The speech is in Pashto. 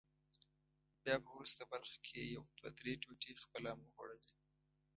بیا په وروست برخه کې یې یو دوه درې ټوټې خپله هم وخوړلې.